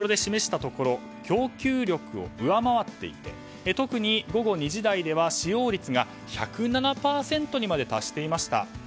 黄色で示したところ供給力を上回っていて特に午後２時台には使用率が１０７％にまで達しました。